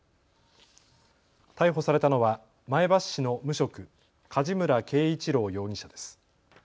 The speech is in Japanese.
逮捕されたのは前橋市の無職、梶村圭一郎容疑者です。